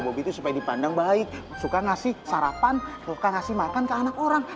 boby supaya dipandang baik suka ngasih sarapan luka ngasih makan ke anak orang